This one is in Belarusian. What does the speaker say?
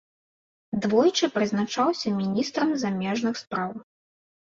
Двойчы прызначаўся міністрам замежных спраў.